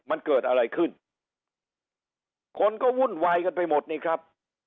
มันเกิดอะไรขึ้นคนก็วุ่นวายกันไปหมดนี่ครับ